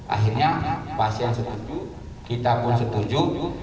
akhirnya pasien setuju kita pun setuju